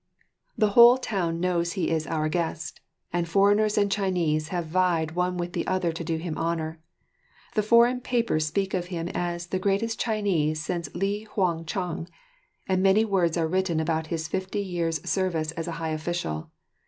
The whole town knows he is our guest, and foreigners and Chinese have vied one with the other to do him honour. The foreign papers speak of him as "the greatest Chinese since Li Hung chang," and many words are written about his fifty years' service as a high official.